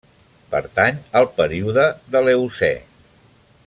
Pertany al període de l'Eocè.